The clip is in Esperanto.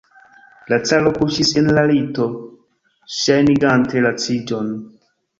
La caro kuŝis en la lito, ŝajnigante laciĝon.